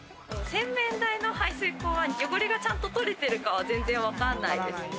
洗面台の排水溝は、汚れがちゃんと取れているか全然わからないです。